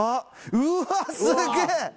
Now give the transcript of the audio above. うわあすげえ！